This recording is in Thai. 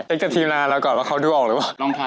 ก็จัดทีมน่าเราก่อนเขาด้วยออกหรือเปล่า